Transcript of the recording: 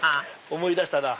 思い出したなぁ。